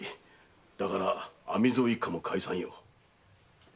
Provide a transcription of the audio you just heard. だから網蔵一家も解散よ。